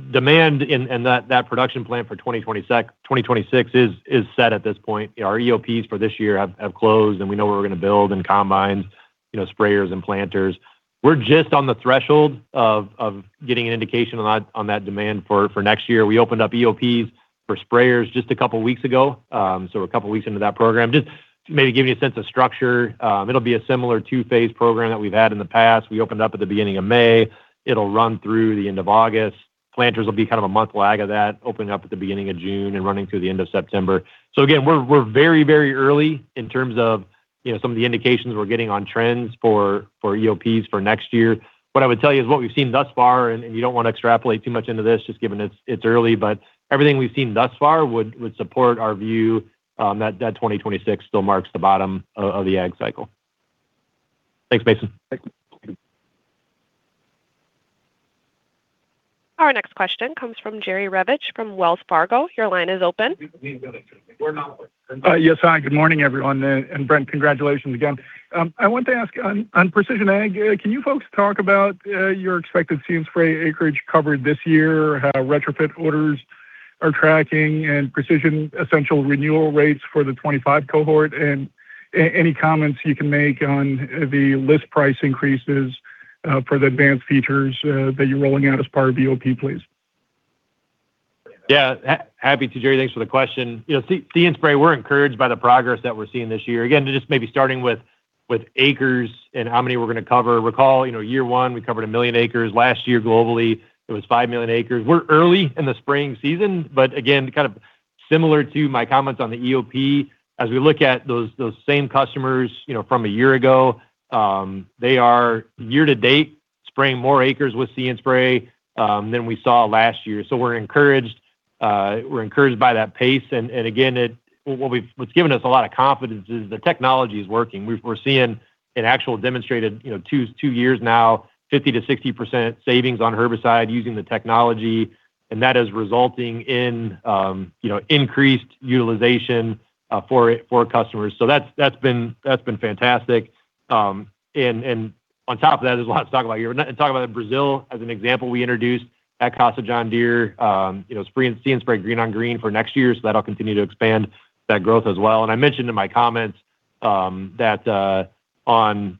Demand and that production plan for 2026 is set at this point. Our EOPs for this year have closed, and we know where we're going to build in combines, sprayers, and planters. We're just on the threshold of getting an indication on that demand for next year. We opened up EOPs for sprayers just a couple of weeks ago. We're a couple weeks into that program. Just to maybe give you a sense of structure. It'll be a similar two-phase program that we've had in the past. We opened up at the beginning of May. It'll run through the end of August. Planters will be kind of a one month lag of that, opening up at the beginning of June and running through the end of September. Again, we're very early in terms of some of the indications we're getting on trends for EOPs for next year. What I would tell you is what we've seen thus far, and you don't want to extrapolate too much into this, just given it's early, but everything we've seen thus far would support our view that 2026 still marks the bottom of the ag cycle. Thanks, Mason. Thank you. Our next question comes from Jerry Revich from Wells Fargo. Your line is open. Yes. Hi, good morning, everyone. Brent, congratulations again. I want to ask on Precision Ag, can you folks talk about your expected See & Spray acreage covered this year, how retrofit orders are tracking and Precision Essentials renewal rates for the 2025 cohort? Any comments you can make on the list price increases for the advanced features that you're rolling out as part of EOP, please. Yeah. Happy to, Jerry. Thanks for the question. See & Spray, we're encouraged by the progress that we're seeing this year. Just maybe starting with acres and how many we're going to cover. Recall, year one, we covered 1 million acres. Last year, globally, it was 5 million acres. We're early in the spring season, again, kind of similar to my comments on the EOP, as we look at those same customers from a year ago, they are year-to-date spraying more acres with See & Spray than we saw last year. We're encouraged by that pace. Again, what's given us a lot of confidence is the technology is working. We're seeing an actual demonstrated two years now, 50%-60% savings on herbicide using the technology, and that is resulting in increased utilization for customers. That's been fantastic. On top of that, there's a lot to talk about here. Talk about Brazil as an example. We introduced at Casa John Deere See & Spray Green on Green for next year. That'll continue to expand that growth as well. I mentioned in my comments that on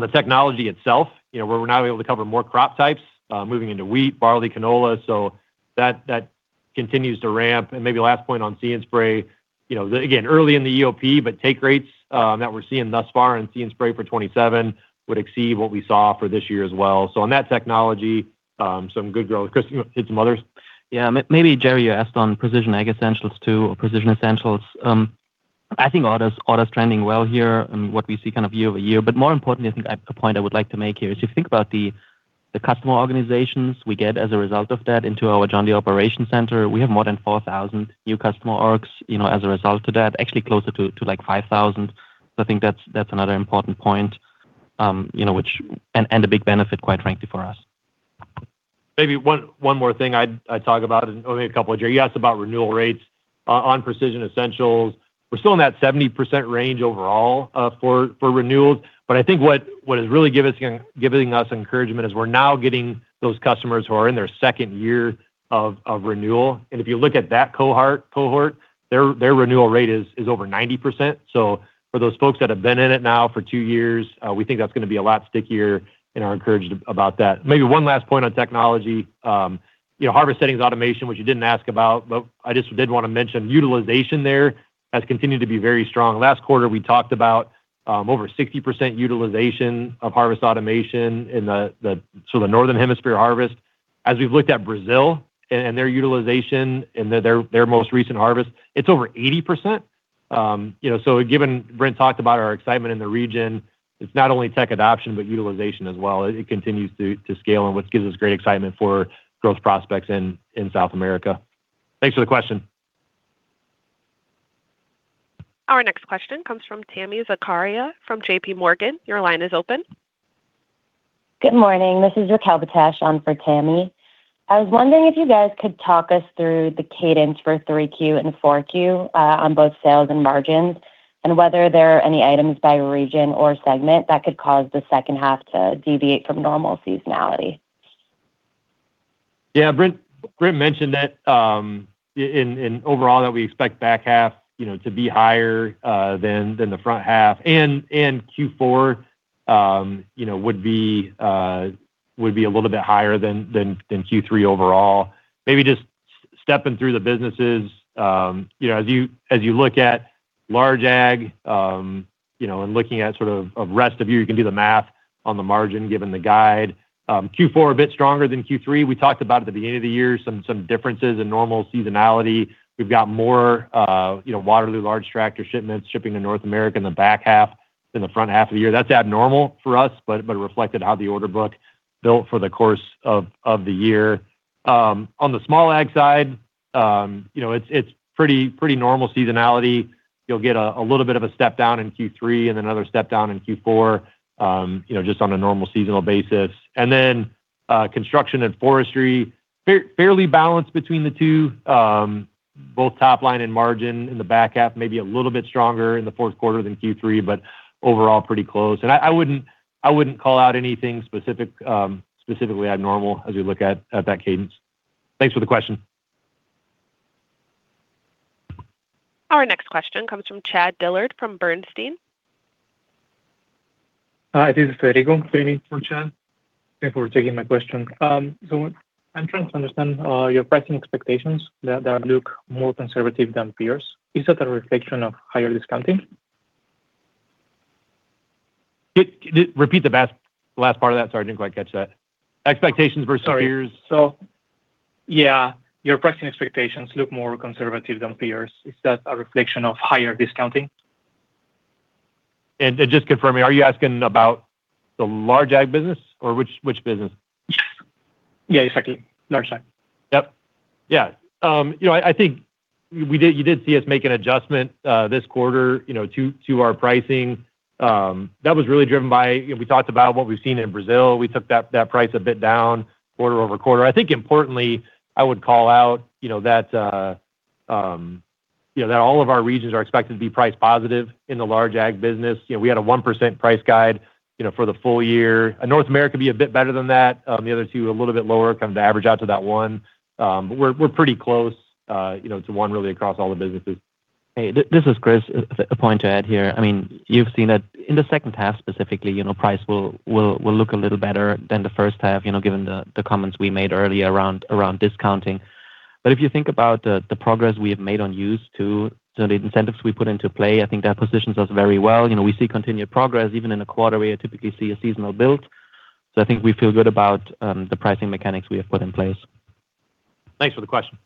the technology itself, where we're now able to cover more crop types, moving into wheat, barley, canola. That continues to ramp. Maybe last point on See & Spray, again, early in the EOP, but take rates that we're seeing thus far in See & Spray for 2027 would exceed what we saw for this year as well. On that technology, some good growth. Chris, you want to hit some others? Yeah. Maybe Jerry, you asked on Precision Ag Essentials or Precision Essentials. I think order's trending well here and what we see kind of year-over-year. More importantly, I think a point I would like to make here is if you think about the customer organizations we get as a result of that into our John Deere Operations Center. We have more than 4,000 new customer orgs as a result of that. Actually, closer to like 5,000. I think that's another important point. A big benefit, quite frankly, for us. Maybe one more thing I'd talk about, and only a couple. Jay, you asked about renewal rates on Precision Essentials. We're still in that 70% range overall for renewals. I think what is really giving us encouragement is we're now getting those customers who are in their second year of renewal. If you look at that cohort, their renewal rate is over 90%. For those folks that have been in it now for two years, we think that's going to be a lot stickier and are encouraged about that. Maybe one last point on technology. Harvest settings automation, which you didn't ask about, but I just did want to mention, utilization there has continued to be very strong. Last quarter, we talked about over 60% utilization of harvest automation in the Northern Hemisphere harvest. As we've looked at Brazil and their utilization in their most recent harvest, it's over 80%. Given Brent talked about our excitement in the region, it's not only tech adoption, but utilization as well. It continues to scale and which gives us great excitement for growth prospects in South America. Thanks for the question. Our next question comes from Tami Zakaria from JPMorgan. Your line is open. Good morning. This is Raquel Betesh on for Tami. I was wondering if you guys could talk us through the cadence for 3Q and 4Q on both sales and margins, and whether there are any items by region or segment that could cause the second half to deviate from normal seasonality. Yeah. Brent mentioned that in overall that we expect back half to be higher than the front half, Q4 would be a little bit higher than Q3 overall. Maybe just stepping through the businesses. As you look at Large Ag, and looking at sort of rest of you can do the math on the margin given the guide. Q4 a bit stronger than Q3. We talked about at the beginning of the year some differences in normal seasonality. We've got more Waterloo large tractor shipments shipping to North America in the back half than the front half of the year. That's abnormal for us, but reflected how the order book built for the course of the year. On the small Ag side, it's pretty normal seasonality. You'll get a little bit of a step down in Q3 and another step down in Q4, just on a normal seasonal basis. Construction & Forestry, fairly balanced between the two. Both top line and margin in the back half, maybe a little bit stronger in the fourth quarter than Q3, but overall pretty close. I wouldn't call out anything specifically abnormal as we look at that cadence. Thanks for the question. Our next question comes from Chad Dillard from Bernstein. Hi, this is Federico standing in for Chad. Thanks for taking my question. I'm trying to understand your pricing expectations that look more conservative than peers. Is that a reflection of higher discounting? Repeat the last part of that, sorry, I didn't quite catch that. Expectations versus peers? Sorry. Yeah, your pricing expectations look more conservative than peers. Is that a reflection of higher discounting? Just confirm me, are you asking about the large ag business or which business? Yes, exactly. Large ag. Yep. Yeah. I think you did see us make an adjustment this quarter to our pricing. That was really driven by, we talked about what we've seen in Brazil. We took that price a bit down quarter-over-quarter. I think importantly, I would call out that all of our regions are expected to be price positive in the large ag business. We had a 1% price guide for the full year. North America will be a bit better than that. The other two are a little bit lower, comes to average out to that 1%. We're pretty close to 1% really across all the businesses. Hey, this is Chris. A point to add here. You've seen that in the second half specifically, price will look a little better than the first half, given the comments we made earlier around discounting. If you think about the progress we have made on used to the incentives we put into play, I think that positions us very well. We see continued progress even in a quarter where you typically see a seasonal build. I think we feel good about the pricing mechanics we have put in place. Thanks for the question.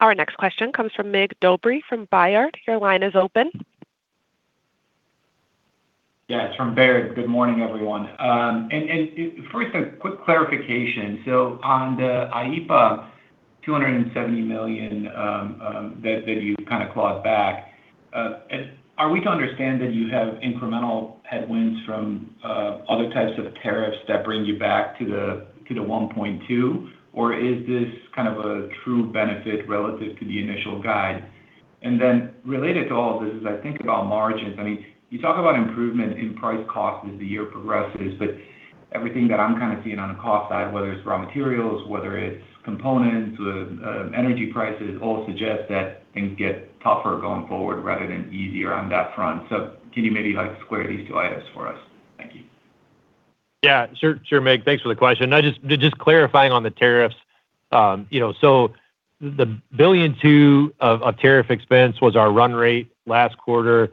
Our next question comes from Mig Dobre from Baird. Your line is open. Yeah, it's from Baird. Good morning, everyone. First, a quick clarification. On the IEEPA $270 million that you kind of clawed back, are we to understand that you have incremental headwinds from other types of tariffs that bring you back to the $1.2, or is this kind of a true benefit relative to the initial guide? Related to all of this, as I think about margins, you talk about improvement in price cost as the year progresses, but everything that I'm kind of seeing on the cost side, whether it's raw materials, whether it's components, energy prices, all suggest that things get tougher going forward rather than easier on that front. Can you maybe square these two items for us? Thank you. Yeah, sure, Mig. Thanks for the question. Just clarifying on the tariffs. The $1.2 billion of tariff expense was our run rate last quarter,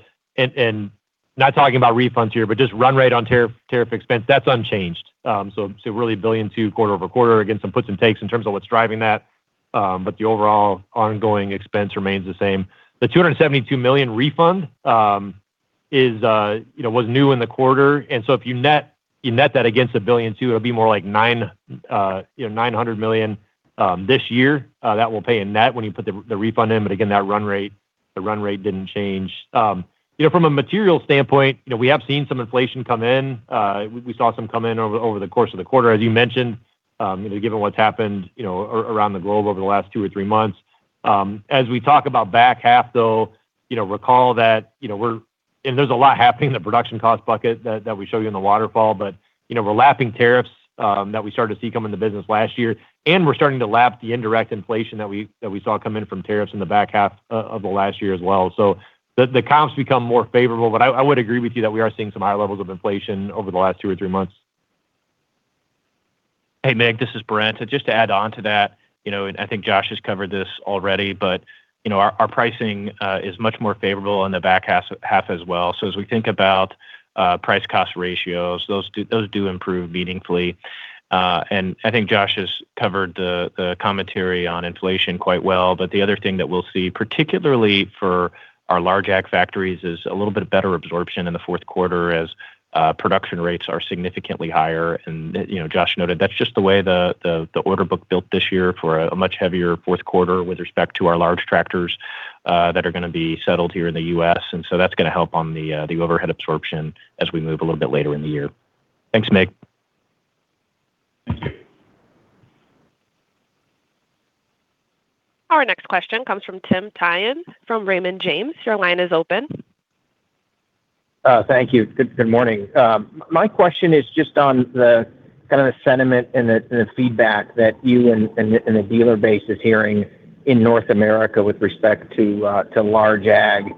Not talking about refunds here, but just run rate on tariff expense, that is unchanged. Really a $1.2 billion quarter-over-quarter against some puts and takes in terms of what is driving that. The overall ongoing expense remains the same. The $272 million refund was new in the quarter. If you net that against a $1.2 billion, it will be more like $900 million this year. That will pay in net when you put the refund in, but again, that run rate did not change. From a material standpoint, we have seen some inflation come in. We saw some come in over the course of the quarter, as you mentioned, given what's happened around the globe over the last two or three months. We talk about the back half, though, recall that there's a lot happening in the production cost bucket that we show you in the waterfall, but we're lapping tariffs that we started to see come into business last year, and we're starting to lap the indirect inflation that we saw come in from tariffs in the back half of last year as well. The comps become more favorable. I would agree with you that we are seeing some high levels of inflation over the last two or three months. Hey, Mig, this is Brent. I think Josh has covered this already, our pricing is much more favorable in the back half as well. As we think about price-cost ratios, those do improve meaningfully. I think Josh has covered the commentary on inflation quite well. The other thing that we'll see, particularly for our large ag factories, is a little bit better absorption in the fourth quarter as production rates are significantly higher. Josh noted that's just the way the order book built this year for a much heavier fourth quarter with respect to our large tractors that are going to be settled here in the U.S. That's going to help on the overhead absorption as we move a little bit later in the year. Thanks, Mig. Our next question comes from Tim Thein from Raymond James. Your line is open. Thank you. Good morning. My question is just on the kind of sentiment and the feedback that you and the dealer base is hearing in North America with respect to large ag.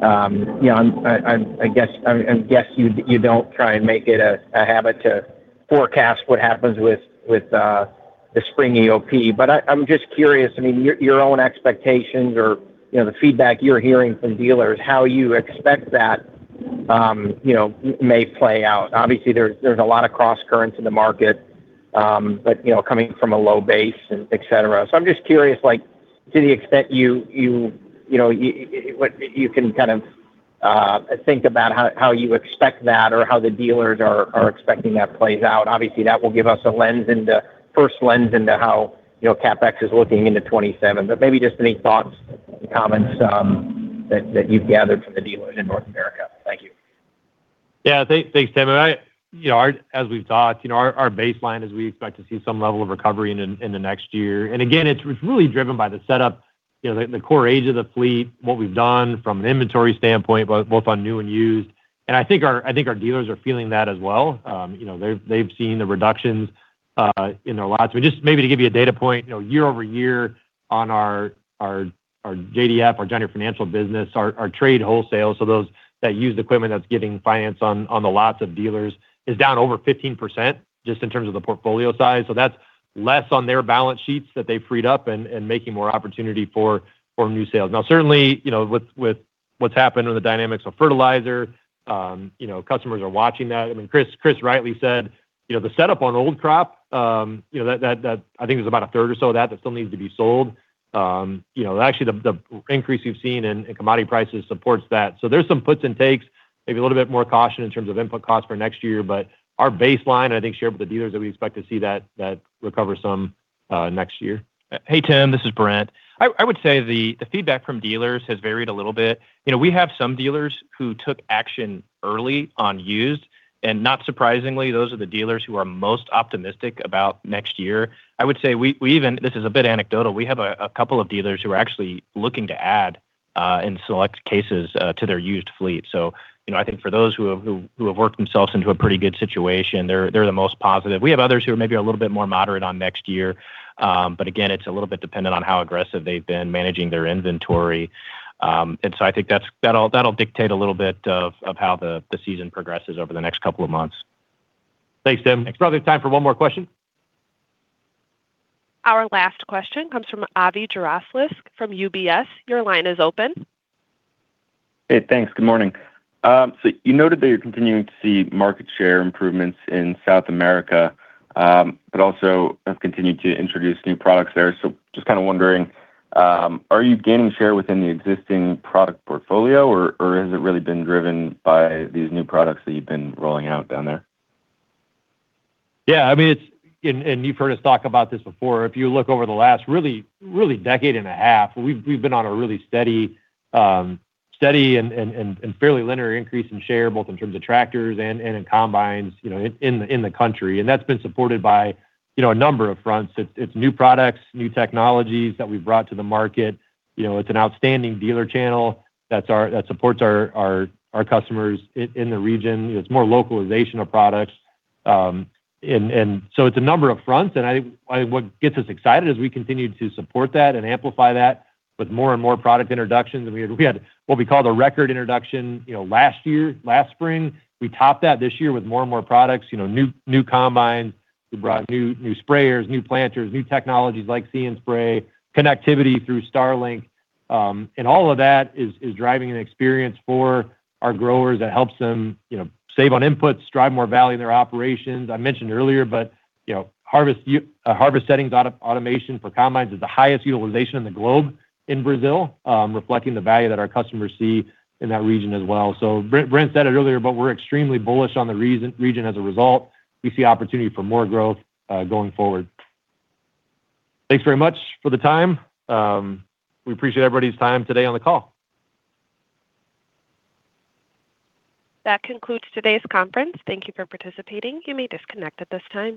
I guess you don't try and make it a habit to forecast what happens with the spring EOP. I'm just curious, I mean, your own expectations or the feedback you're hearing from dealers, how you expect that may play out. Obviously, there's a lot of crosscurrents in the market, but coming from a low base, et cetera. I'm just curious, to the extent you can kind of think about how you expect that or how the dealers are expecting that to play out. Obviously, that will give us a first lens into how CapEx is looking into 2027. Maybe just any thoughts, comments that you've gathered from the dealers in North America. Thank you. Thanks, Tim. As we've talked, our baseline is we expect to see some level of recovery in the next year. Again, it's really driven by the setup, the core age of the fleet, what we've done from an inventory standpoint, both on new and used. I think our dealers are feeling that as well. They've seen the reductions in their lots. Just maybe to give you a data point, year-over-year on our JDF, our John Deere Financial business, our trade wholesale, so that used equipment that's giving finance on the lots of dealers, is down over 15%, just in terms of the portfolio size. That's less on their balance sheets that they've freed up and making more opportunity for new sales. Certainly, with what's happened with the dynamics of fertilizer, customers are watching that. I mean, Chris rightly said the setup on old crop, I think there's about a third or so of that that still needs to be sold. Actually, the increase we've seen in commodity prices supports that. There's some puts and takes, maybe a little bit more caution in terms of input costs for next year. Our baseline, I think, shared with the dealers, that we expect to see that recover some next year. Hey, Tim, this is Brent. I would say the feedback from dealers has varied a little bit. We have some dealers who took action early on used. Not surprisingly, those are the dealers who are most optimistic about next year. I would say we even, this is a bit anecdotal, we have a couple of dealers who are actually looking to add in select cases to their used fleet. I think for those who have worked themselves into a pretty good situation, they're the most positive. We have others who are maybe a little bit more moderate on next year. Again, it's a little bit dependent on how aggressive they've been managing their inventory. I think that'll dictate a little bit of how the season progresses over the next couple of months. Thanks, Tim. There's probably time for one more question. Our last question comes from Avi Jaroslawicz from UBS. Your line is open. Hey, thanks. Good morning. You noted that you're continuing to see market share improvements in South America, but also have continued to introduce new products there. Just kind of wondering, are you gaining share within the existing product portfolio, or has it really been driven by these new products that you've been rolling out down there? Yeah. You've heard us talk about this before. If you look over the last really decade and a half, we've been on a really steady and fairly linear increase in share, both in terms of tractors and in combines in the country. That's been supported by a number of fronts. It's new products, new technologies that we've brought to the market. It's an outstanding dealer channel that supports our customers in the region. It's more localization of products. It's a number of fronts, and what gets us excited is we continue to support that and amplify that with more and more product introductions. We had what we call the record introduction last year, last spring. We topped that this year with more and more products. New combines. We brought new sprayers, new planters, new technologies like See & Spray, connectivity through Starlink. All of that is driving an experience for our growers that helps them save on inputs, drive more value in their operations. I mentioned earlier, but harvest settings automation for combines is the highest utilization in the globe in Brazil, reflecting the value that our customers see in that region as well. Brent said it earlier, but we're extremely bullish on the region as a result. We see opportunity for more growth going forward. Thanks very much for the time. We appreciate everybody's time today on the call. That concludes today's conference. Thank you for participating. You may disconnect at this time.